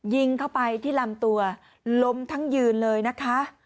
ยิงเข้าไปที่ลำตัวล้มทั้งยืนเลยนะคะ